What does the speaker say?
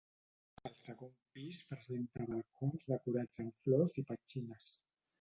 El segon pis presenta balcons decorats amb flors i petxines.